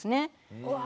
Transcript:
うわ。